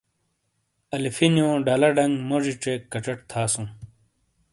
الفی نِیو ڈالہ ڈَنگ موجی چیک کَچَٹ تھاسُوں۔